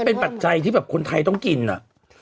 เป็นปัจจัยที่แบบคนไทยต้องกินอะ